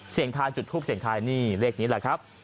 เสี่ยงทายจุดทุกข์เสี่ยงทายนี่เลขนี้แหละครับ